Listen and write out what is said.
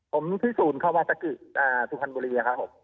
ผมที่ศูนย์ชาวภาษกิสุพันฟ์บุรีอย่างครับ